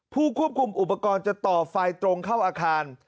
ผู้ควบคุมอุปกรณ์จะต่อไฟตรงเข้าอาคาร